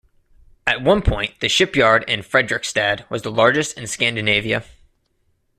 At one point the shipyard in Fredrikstad was the largest in Scandinavia.